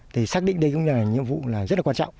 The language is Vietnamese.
thì xác định đây cũng là nhiệm vụ là rất là quan trọng